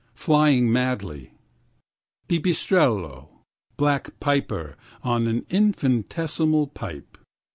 33Flying madly.34Pipistrello!35Black piper on an infinitesimal pipe.